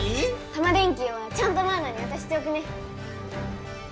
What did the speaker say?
⁉タマ電Ｑはちゃんとマウナにわたしておくね。